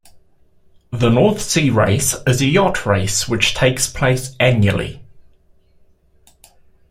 The North Sea Race, is a yacht race which takes place annually.